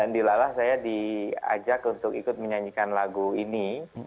di lalah saya diajak untuk ikut menyanyikan lagu ini